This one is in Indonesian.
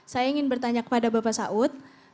saya ingin bertanya kepada bapak saud